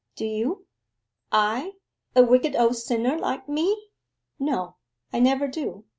Do you?' 'I? A wicked old sinner like me! No, I never do.